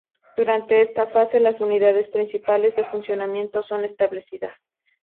Durante esta fase, las unidades principales de funcionamiento son establecidas.